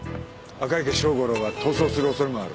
赤池庄五郎は逃走する恐れもある。